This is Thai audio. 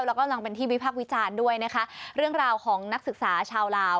แล้วก็กำลังเป็นที่วิพักษ์วิจารณ์ด้วยนะคะเรื่องราวของนักศึกษาชาวลาว